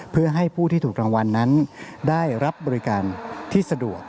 เพื่อให้ผู้ที่ถูกรางวัลนั้นได้รับบริการที่สะดวก